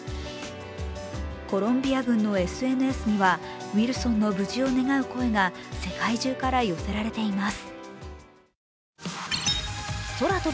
コロンビア軍のＳＮＳには、ウィルソンの無事を願う声が世界中から寄せられています。